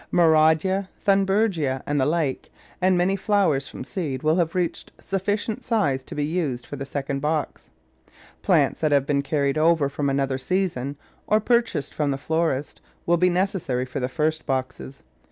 Maurandya, Thunbergia, and the like, and many flowers from seed will have reached sufficient size to be used for the second box. Plants that have been carried over from another season, or purchased from the florist, will be necessary for the first boxes.